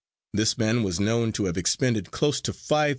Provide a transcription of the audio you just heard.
This man was known to have expended close to $5,000.